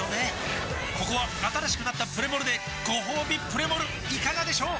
ここは新しくなったプレモルでごほうびプレモルいかがでしょう？